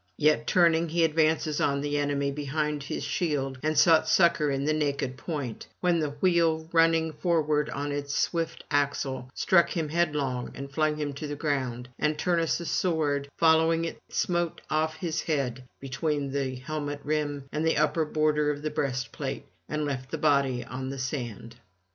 Yet turning, he advanced on the enemy behind his shield, and sought succour in the naked point; when the wheel running forward on its swift axle struck him headlong and flung him to ground, and Turnus' sword following it smote off his head between the helmet rim and the upper border of the breastplate, and left the body on the sand.